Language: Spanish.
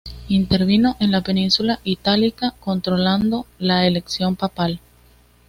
Intervino en la Península Itálica controlando la elección papal.